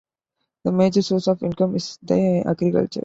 The major source of income is the agriculture.